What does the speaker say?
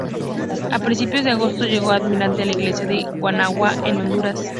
A principios de agosto, llegó el almirante a la isla de Guanaja en Honduras.